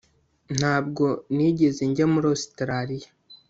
Ntabwo nigeze njya muri Ositaraliya